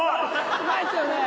うまいっすよね！